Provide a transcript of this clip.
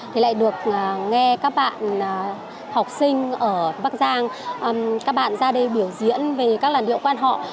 thì lại được nghe các bạn học sinh ở bắc giang các bạn ra đây biểu diễn về các làn điệu quan họ